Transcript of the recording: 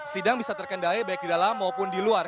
sidang bisa terkendali baik di dalam maupun di luar